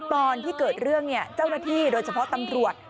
ตอนที่เกิดเรื่องเจ้าหน้าที่โดยเฉพาะตำรวจ